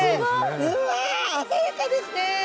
うわ鮮やかですね。